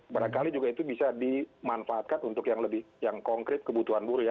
barangkali juga itu bisa dimanfaatkan untuk yang lebih yang konkret kebutuhan buruh ya